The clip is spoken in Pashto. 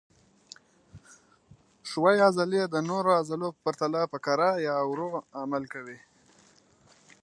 ښویې عضلې د نورو عضلو په پرتله په کراه یا ورو عمل کوي.